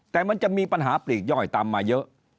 แต่มันจะมีปัญหาปลีกย่อยตามมาเยอะ